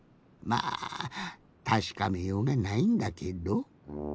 まあたしかめようがないんだけど。